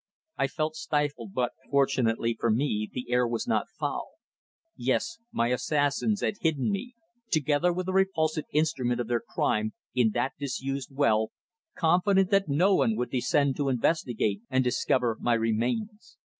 I felt stifled, but, fortunately for me, the air was not foul. Yes, my assassins had hidden me, together with the repulsive instrument of their crime, in that disused well, confident that no one would descend to investigate and discover my remains.